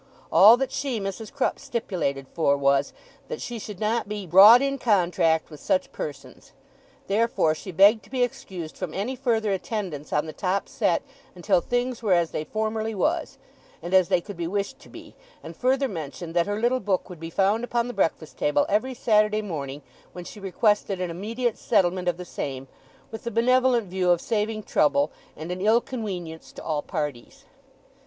All that she, Mrs. Crupp, stipulated for, was, that she should not be 'brought in contract' with such persons. Therefore she begged to be excused from any further attendance on the top set, until things were as they formerly was, and as they could be wished to be; and further mentioned that her little book would be found upon the breakfast table every Saturday morning, when she requested an immediate settlement of the same, with the benevolent view of saving trouble 'and an ill conwenience' to all parties.